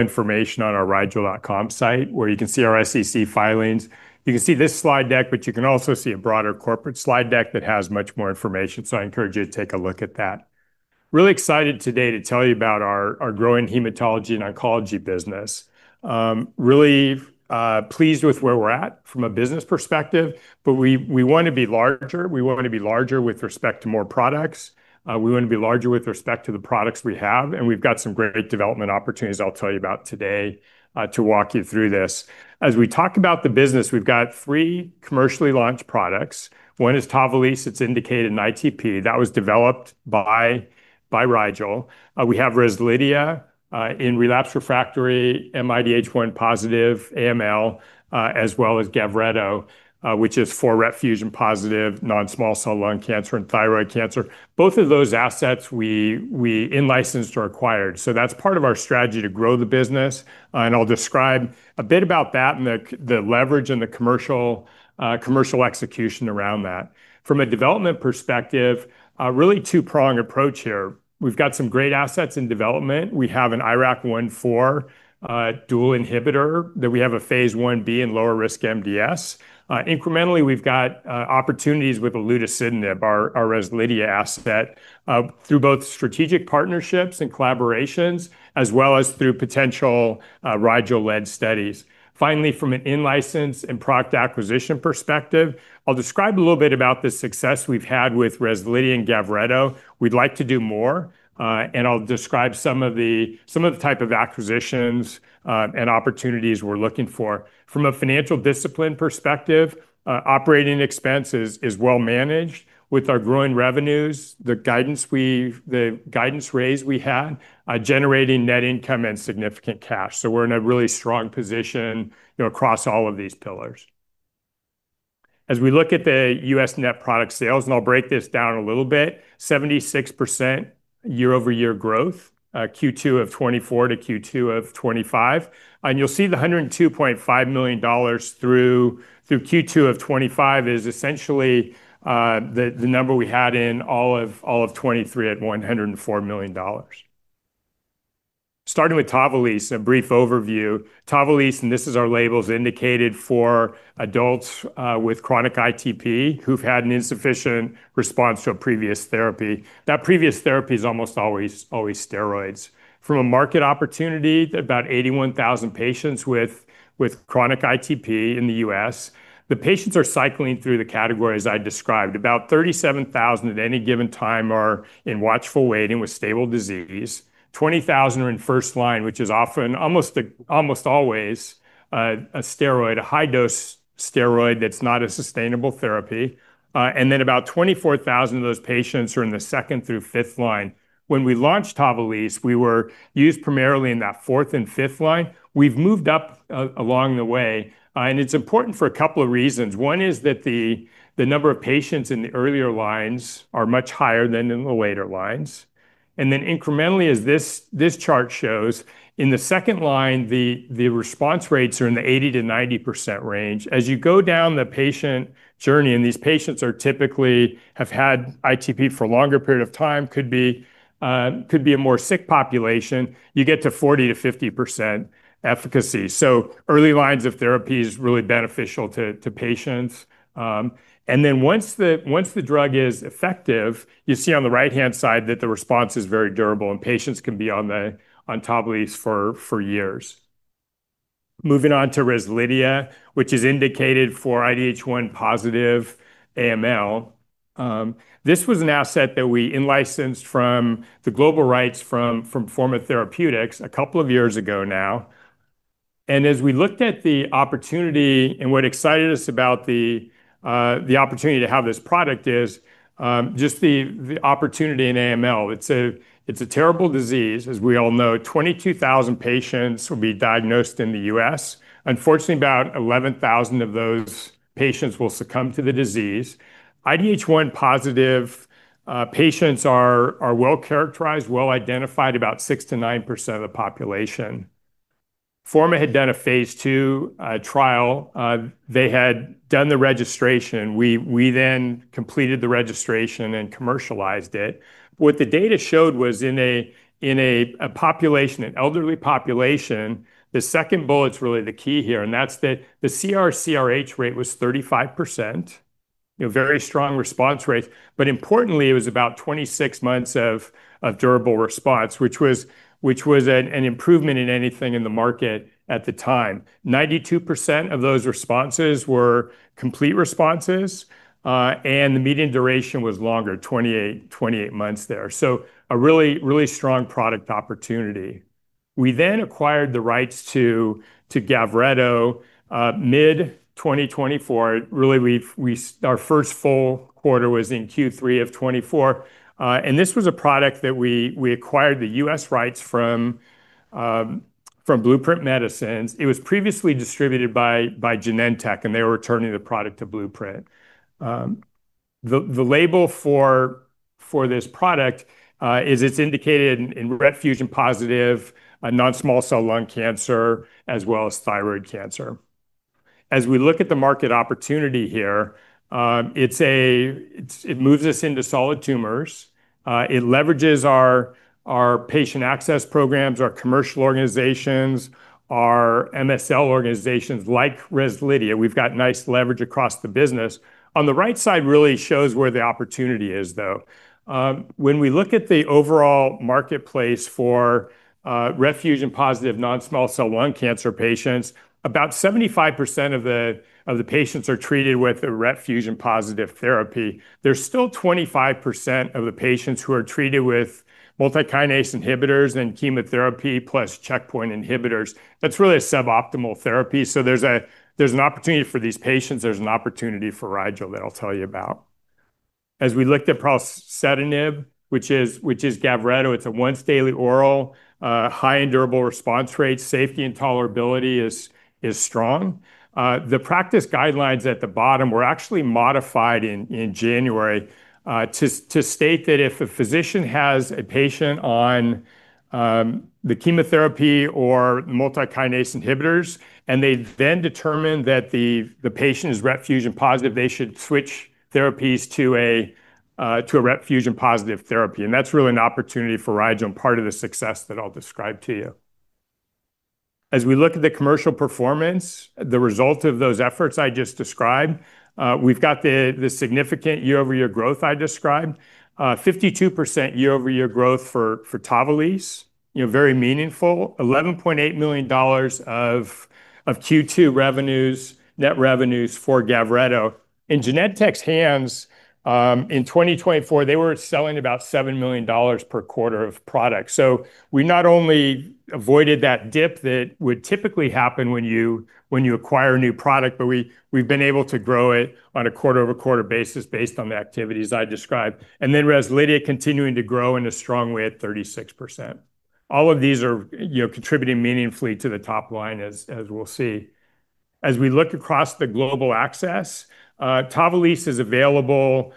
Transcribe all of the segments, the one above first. Information on our rigel.com site where you can see our SEC filings. You can see this slide deck, but you can also see a broader corporate slide deck that has much more information. I encourage you to take a look at that. Really excited today to tell you about our growing hematology and oncology business. Really pleased with where we're at from a business perspective, but we want to be larger. We want to be larger with respect to more products. We want to be larger with respect to the products we have, and we've got some great development opportunities I'll tell you about today, to walk you through this. As we talk about the business, we've got three commercially launched products. One is TAVALISSE. It's indicated in ITP. That was developed by Rigel. We have REZLIDHIA in relapsed/refractory mIDH1-positive AML, as well as GAVRETO, which is for RET fusion-positive non-small cell lung cancer and thyroid cancer. Both of those assets we in-licensed or acquired. That's part of our strategy to grow the business. I'll describe a bit about that and the leverage and the commercial execution around that. From a development perspective, a really two-pronged approach here. We've got some great assets in development. We have an IRAK1/4 dual inhibitor that we have a phase Ib in lower-risk MDS. Incrementally, we've got opportunities with olutasidenib, our REZLIDHIA asset, through both strategic partnerships and collaborations, as well as through potential Rigel-led studies. Finally, from an in-license and product acquisition perspective, I'll describe a little bit about the success we've had with REZLIDHIA and GAVRETO. We'd like to do more. I'll describe some of the type of acquisitions and opportunities we're looking for. From a financial discipline perspective, operating expenses is well managed with our growing revenues, the guidance we, the guidance raise we had, generating net income and significant cash. We're in a really strong position across all of these pillars. As we look at the U.S. net product sales, and I'll break this down a little bit, 76% year-over-year growth, Q2 of 2024 to Q2 of 2025. You'll see the $102.5 million through Q2 of 2025 is essentially the number we had in all of 2023 at $104 million. Starting with TAVALISSE, a brief overview. TAVALISSE, and this is our label, is indicated for adults with chronic ITP who've had an insufficient response to a previous therapy. That previous therapy is almost always, always steroids. From a market opportunity, about 81,000 patients with chronic ITP in the U.S. The patients are cycling through the categories I described. About 37,000 at any given time are in watchful waiting with stable disease. 20,000 are in first line, which is often almost always, a steroid, a high-dose steroid that's not a sustainable therapy. Then about 24,000 of those patients are in the second through fifth line. When we launched TAVALISSE, we were used primarily in that fourth and fifth line. We've moved up along the way. It's important for a couple of reasons. One is that the number of patients in the earlier lines are much higher than in the later lines. Incrementally, as this chart shows, in the second line, the response rates are in the 80%-90% range. As you go down the patient journey, and these patients typically have had ITP for a longer period of time, could be a more sick population, you get to 40%-50% efficacy. Early lines of therapy is really beneficial to patients. Once the drug is effective, you see on the right-hand side that the response is very durable and patients can be on TAVALISSE for years. Moving on to REZLIDHIA, which is indicated for IDH1-positive AML. This was an asset that we in-licensed from the global rights from Forma Therapeutics a couple of years ago now. As we looked at the opportunity and what excited us about the opportunity to have this product is just the opportunity in AML. It's a terrible disease, as we all know. 22,000 patients will be diagnosed in the U.S. Unfortunately, about 11,000 of those patients will succumb to the disease. IDH1-positive patients are well-characterized, well-identified, about 6%-9% of the population. Forma had done a phase II trial. They had done the registration. We then completed the registration and commercialized it. What the data showed was in a population, an elderly population, the second bullet's really the key here, and that's that the CR+CRh rate was 35%. Very strong response rates. Importantly, it was about 26 months of durable response, which was an improvement in anything in the market at the time. 92% of those responses were complete responses, and the median duration was longer, 28 months there. A really, really strong product opportunity. We then acquired the rights to GAVRETO, mid-2024. Really, our first full quarter was in Q3 of 2024. This was a product that we acquired the U.S. rights from Blueprint Medicines. It was previously distributed by Genentech, and they were turning the product to Blueprint. The label for this product is it's indicated in RET fusion-positive non-small cell lung cancer, as well as thyroid cancer. As we look at the market opportunity here, it moves us into solid tumors. It leverages our patient access programs, our commercial organizations, our MSL organizations like REZLIDHIA. We've got nice leverage across the business. On the right side really shows where the opportunity is, though. When we look at the overall marketplace for RET fusion-positive non-small cell lung cancer patients, about 75% of the patients are treated with a RET fusion-positive therapy. There's still 25% of the patients who are treated with multi-kinase inhibitors and chemotherapy plus checkpoint inhibitors. That's really a suboptimal therapy. There's an opportunity for these patients. There's an opportunity for Rigel that I'll tell you about. As we looked at pralsetinib, which is GAVRETO, it's a once-daily oral, high and durable response rates. Safety and tolerability is strong. The practice guidelines at the bottom were actually modified in January to state that if a physician has a patient on chemotherapy or the multi-kinase inhibitors, and they then determine that the patient is RET fusion-positive, they should switch therapies to a RET fusion-positive therapy. That's really an opportunity for Rigel and part of the success that I'll describe to you. As we look at the commercial performance, the result of those efforts I just described, we've got the significant year-over-year growth I described. 52% year-over-year growth for TAVALISSE. Very meaningful. $11.8 million of Q2 net revenues for GAVRETO. In Genentech's hands, in 2024, they were selling about $7 million per quarter of products. We not only avoided that dip that would typically happen when you acquire a new product, but we've been able to grow it on a quarter-over-quarter basis based on the activities I described. REZLIDHIA continuing to grow in a strong way at 36%. All of these are contributing meaningfully to the top line, as we'll see. As we look across the global access, TAVALISSE is available,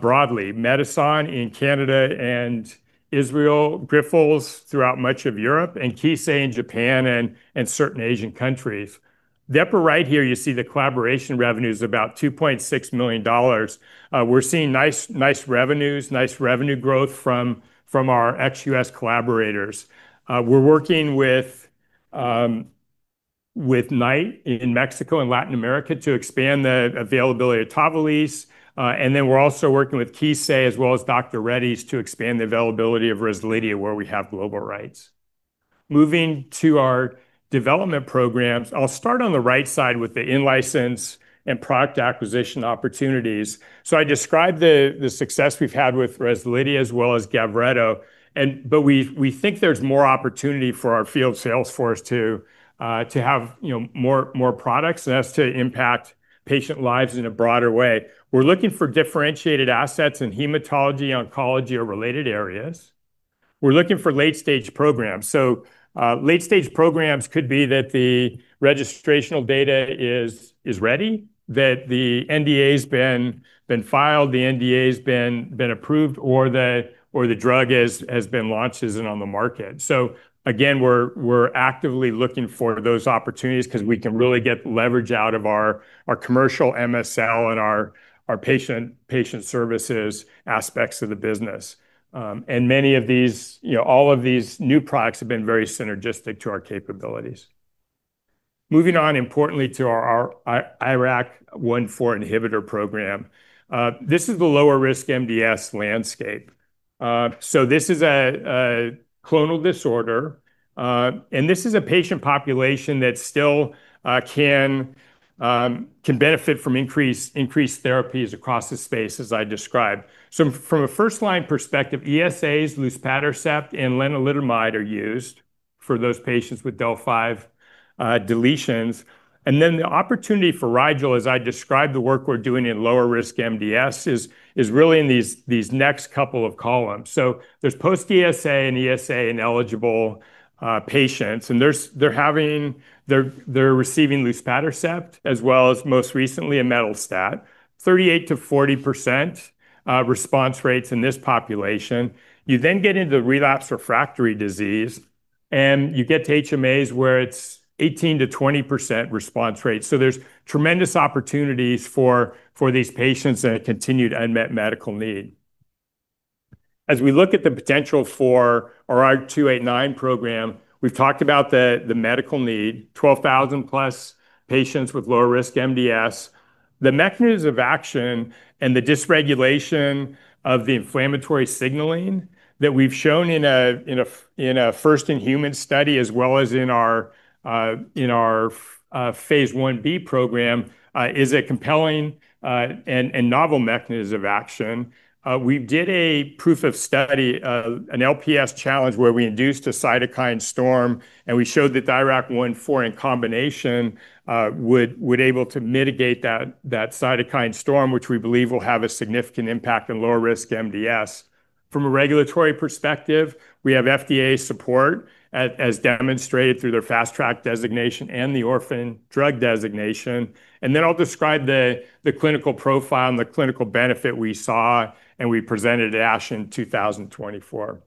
broadly. Medison in Canada and Israel, Grifols throughout much of Europe, and Kissei in Japan and certain Asian countries. Down right here, you see the collaboration revenues about $2.6 million. We're seeing nice revenues, nice revenue growth from our ex-U.S. collaborators. We're working with Knight in Mexico and Latin America to expand the availability of TAVALISSE. We're also working with Kissei as well as Dr. Reddy’s to expand the availability of REZLIDHIA where we have global rights. Moving to our development programs, I'll start on the right side with the in-license and product acquisition opportunities. I described the success we've had with REZLIDHIA as well as GAVRETO. We think there's more opportunity for our field sales force to have more products and us to impact patient lives in a broader way. We're looking for differentiated assets in hematology, oncology, or related areas. We're looking for late-stage programs. Late-stage programs could be that the registrational data is ready, that the NDA's been filed, the NDA's been approved, or the drug has been launched and is on the market. We're actively looking for those opportunities because we can really get leverage out of our commercial MSL and our patient services aspects of the business. Many of these, all of these new products have been very synergistic to our capabilities. Moving on importantly to our IRAK1/4 inhibitor program. This is the lower-risk MDS landscape. This is a clonal disorder, and this is a patient population that still can benefit from increased therapies across the space as I described. From a first-line perspective, ESAs, luspatercept, and lenalidomide are used for those patients with Del(5q) deletions. The opportunity for Rigel, as I described the work we're doing in lower-risk MDS, is really in these next couple of columns. There's post-ESA and ESA-ineligible patients, and they're receiving luspatercept as well as most recently a metal stat. 38%-40% response rates in this population. You then get into the relapsed refractory disease, and you get to HMAs where it's 18%-20% response rate. There's tremendous opportunities for these patients and a continued unmet medical need. As we look at the potential for our R289 program, we've talked about the medical need, 12,000 plus patients with lower-risk MDS. The mechanism of action and the dysregulation of the inflammatory signaling that we've shown in a first-in-human study as well as in our phase Ib program, is a compelling and novel mechanism of action. We did a proof of study, an LPS challenge where we induced a cytokine storm, and we showed that IRAK1/4 in combination would be able to mitigate that cytokine storm, which we believe will have a significant impact on lower-risk MDS. From a regulatory perspective, we have FDA support as demonstrated through their fast-track designation and the orphan drug designation. I'll describe the clinical profile and the clinical benefit we saw and we presented at ASH in 2024.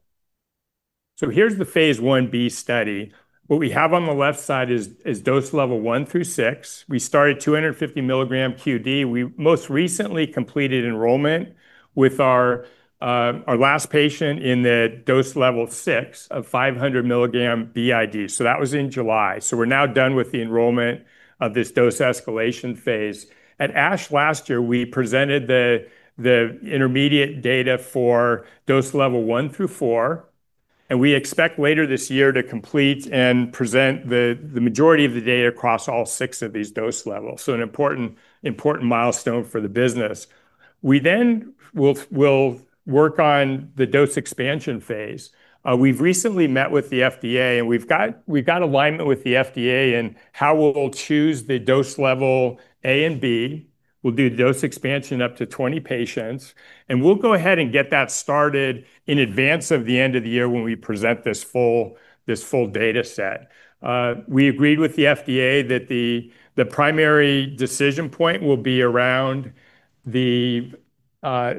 Here's the phase Ib study. What we have on the left side is dose level one through six. We started 250 mg QD We most recently completed enrollment with our last patient in the dose level six of 500 mg BID. That was in July. We're now done with the enrollment of this dose escalation phase. At ASH last year, we presented the intermediate data for dose level one through four. We expect later this year to complete and present the majority of the data across all six of these dose levels. This is an important milestone for the business. We then will work on the dose expansion phase. We've recently met with the FDA, and we've got alignment with the FDA in how we'll choose the dose level A and B. We'll do the dose expansion up to 20 patients. We'll go ahead and get that started in advance of the end of the year when we present this full data set. We agreed with the FDA that the primary decision point will be around the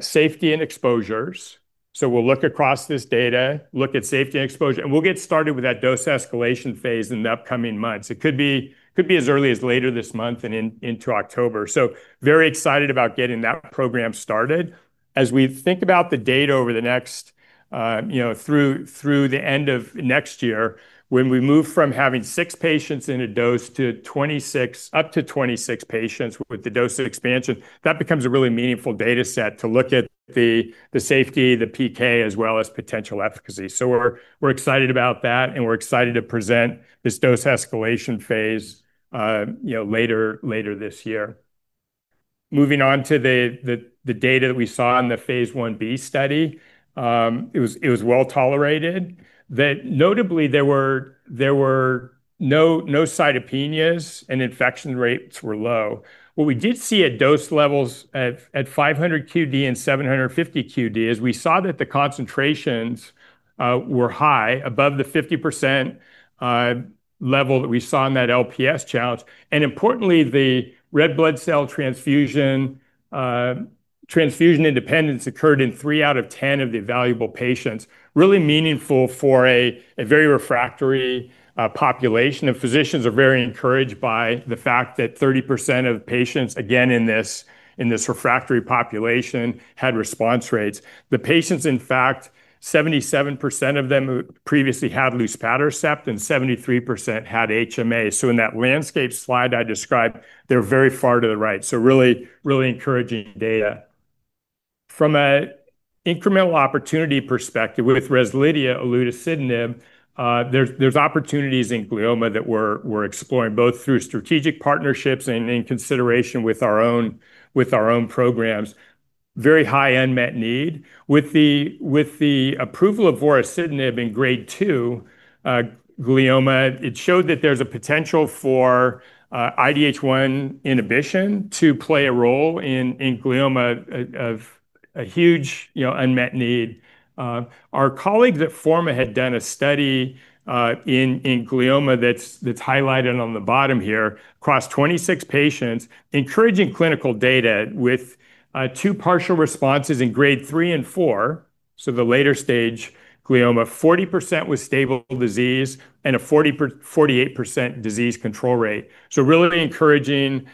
safety and exposures. We'll look across this data, look at safety and exposure, and we'll get started with that dose escalation phase in the upcoming months. It could be as early as later this month and into October. Very excited about getting that program started. As we think about the data over the next, you know, through the end of next year, when we move from having six patients in a dose to 26, up to 26 patients with the dose expansion, that becomes a really meaningful data set to look at the safety, the PK, as well as potential efficacy. We're excited about that, and we're excited to present this dose escalation phase later this year. Moving on to the data that we saw in the phase Ib study, it was well tolerated. Notably, there were no cytopenias and infection rates were low. What we did see at dose levels at 500 mg QD and 750 mg QD is we saw that the concentrations were high above the 50% level that we saw in that LPS challenge. Importantly, the red blood cell transfusion independence occurred in 3 out of 10 of the evaluable patients. Really meaningful for a very refractory population. Physicians are very encouraged by the fact that 30% of patients, again, in this refractory population, had response rates. The patients, in fact, 77% of them previously had luspatercept and 73% had HMA. In that landscape slide I described, they're very far to the right. Really encouraging data. From an incremental opportunity perspective with REZLIDHIA and olutasidenib, there's opportunities in glioma that we're exploring both through strategic partnerships and in consideration with our own programs. Very high unmet need. With the approval of vorasidenib in grade 2 glioma, it showed that there's a potential for IDH1 inhibition to play a role in glioma of a huge unmet need. Our colleagues at Forma had done a study in glioma that's highlighted on the bottom here across 26 patients, encouraging clinical data with two partial responses in grade 3/4. The later stage glioma, 40% with stable disease and a 48% disease control rate. Really encouraging,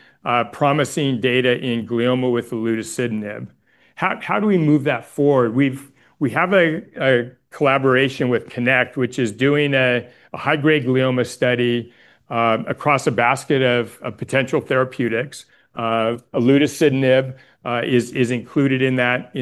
promising data in glioma with the olutasidenib. How do we move that forward? We have a collaboration with CONNECT, which is doing a high-grade glioma study across a basket of potential therapeutics. Olutasidenib is included in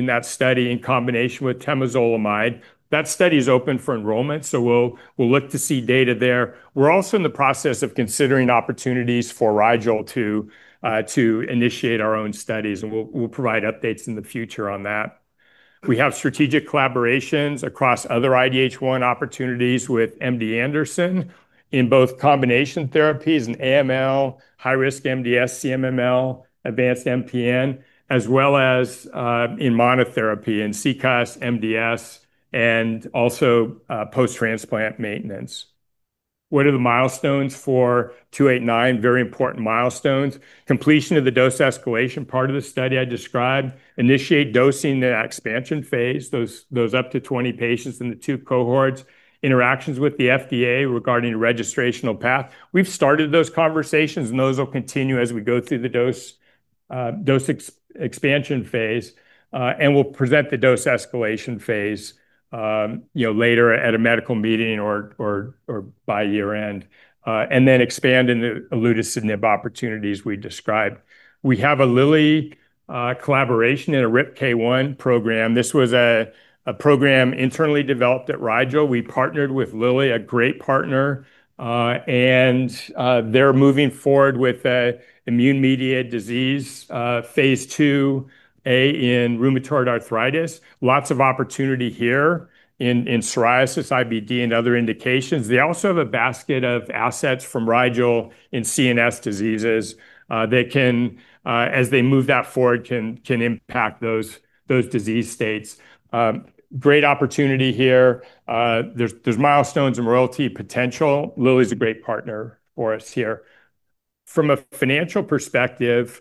that study in combination with temozolomide. That study is open for enrollment. We'll look to see data there. We're also in the process of considering opportunities for Rigel to initiate our own studies. We'll provide updates in the future on that. We have strategic collaborations across other IDH1 opportunities with MD Anderson in both combination therapies and AML, high-risk MDS, CMML, advanced MPN, as well as in monotherapy and CCUS, MDS and also post-transplant maintenance. What are the milestones for R289? Very important milestones. Completion of the dose escalation part of the study I described. Initiate dosing that expansion phase, those up to 20 patients in the two cohorts. Interactions with the FDA regarding registrational path. We've started those conversations, and those will continue as we go through the dose expansion phase. We'll present the dose escalation phase later at a medical meeting or by year end. Then expand in the olutasidenib opportunities we described. We have a Lilly collaboration in a RIPK1 program. This was a program internally developed at Rigel. We partnered with Lilly, a great partner, and they're moving forward with an immune-mediated disease, phase IIa in rheumatoid arthritis. Lots of opportunity here in psoriasis, IBD, and other indications. They also have a basket of assets from Rigel in CNS diseases that can, as they move that forward, impact those disease states. Great opportunity here. There's milestones and royalty potential. Lilly is a great partner for us here. From a financial perspective,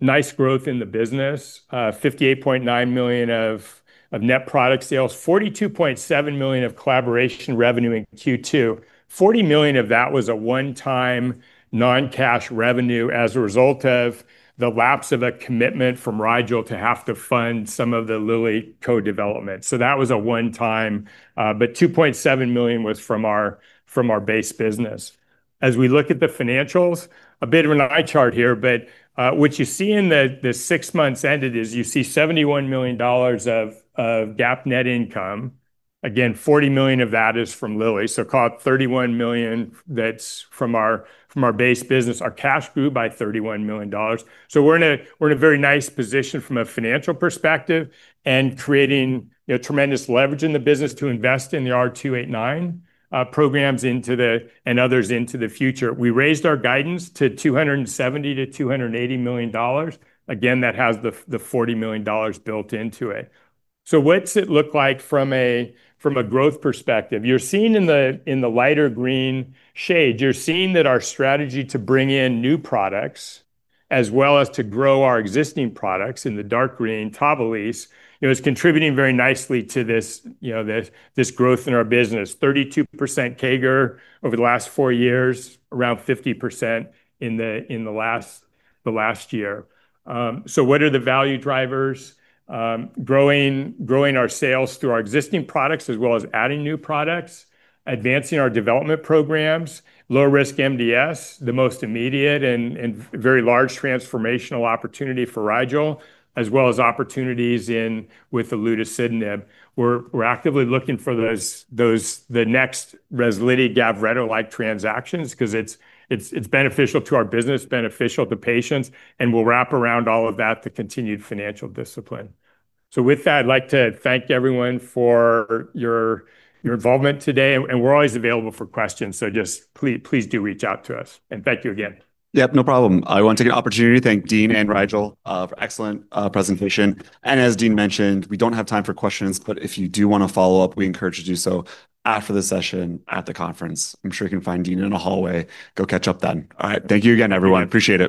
nice growth in the business. $58.9 million of net product sales, $42.7 million of collaboration revenue in Q2. $40 million of that was a one-time non-cash revenue as a result of the lapse of a commitment from Rigel to have to fund some of the Lilly co-development. That was a one-time, but $2.7 million was from our base business. As we look at the financials, a bit of an eye chart here, but what you see in the six months ended is you see $71 million of GAAP net income. Again, $40 million of that is from Lilly. So call it $31 million that's from our base business. Our cash grew by $31 million. We're in a very nice position from a financial perspective and creating tremendous leverage in the business to invest in the R289 programs and others into the future. We raised our guidance to $270 million-$280 million. Again, that has the $40 million built into it. What's it look like from a growth perspective? You're seeing in the lighter green shades, you're seeing that our strategy to bring in new products as well as to grow our existing products in the dark green. TAVALISSE is contributing very nicely to this growth in our business. 32% CAGR over the last four years, around 50% in the last year. What are the value drivers? Growing our sales through our existing products as well as adding new products, advancing our development programs, lower-risk MDS, the most immediate and very large transformational opportunity for Rigel, as well as opportunities with the olutasidenib. We're actively looking for those next REZLIDHIA, GAVRETO-like transactions because it's beneficial to our business, beneficial to patients, and we'll wrap around all of that to continued financial discipline. I'd like to thank everyone for your involvement today, and we're always available for questions. Please do reach out to us, and thank you again. Yeah, no problem. I want to take an opportunity to thank Dean and Rigel for an excellent presentation. As Dean mentioned, we don't have time for questions, but if you do want to follow up, we encourage you to do so after the session at the conference. I'm sure you can find Dean in the hallway. Go catch up then. All right. Thank you again, everyone. Appreciate it.